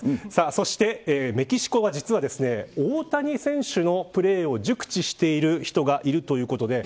そして、メキシコが実は大谷選手のプレーを熟知している人がいるということです。